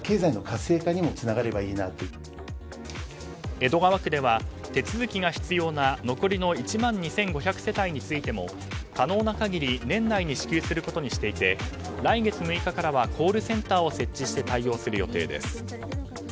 江戸川区では手続きが必要な残りの１万２５００世帯についても可能な限り年内に支給することにしていて来月６日からはコールセンターを設置して対応する予定です。